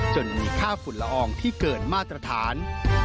จนมีค่าฝุ่นละอองที่เกินมาตรฐาน